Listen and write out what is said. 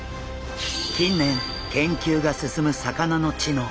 近年研究が進む魚の知能。